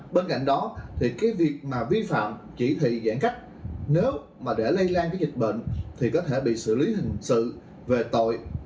bên cạnh đó thì cái việc mà vi phạm chỉ thị giãn cách nếu mà để lây lan cái dịch bệnh thì có thể bị xử lý hình sự về tội